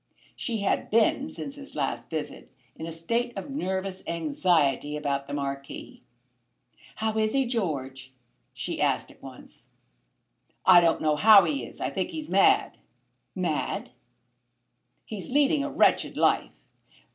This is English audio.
She had been, since his last visit, in a state of nervous anxiety about the Marquis. "How is he, George?" she asked at once. "I don't know how he is. I think he's mad." "Mad?" "He's leading a wretched life."